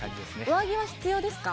上着は必要ですか？